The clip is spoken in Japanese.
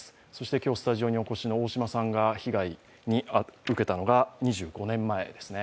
今日スタジオにお越しの大島さんが被害を受けたのが２３年前ですね。